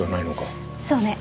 そうね。